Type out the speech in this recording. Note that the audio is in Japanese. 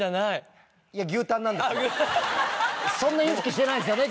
そんなインチキしてないですよね？